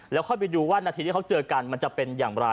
แล้วค่อยไปดูว่านาทีที่เขาเจอกันมันจะเป็นอย่างไร